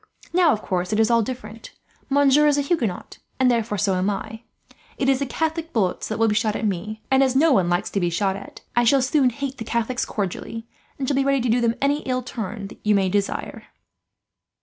"Now, of course, it is all different. Monsieur is a Huguenot, and therefore so am I. It is the Catholic bullets that will be shot at me and, as no one likes to be shot at, I shall soon hate the Catholics cordially, and shall be ready to do them any ill turn that you may desire."